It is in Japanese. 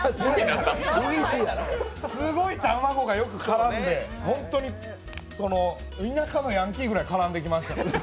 すごい卵がよく絡んで田舎のヤンキーぐらい絡んでくる。